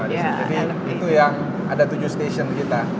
jadi itu yang ada tujuh stasiun kita